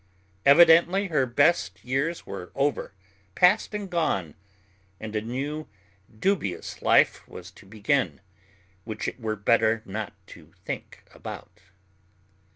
Evidently her best years were over, past and gone, and a new, dubious life was to begin which it were better not to think about.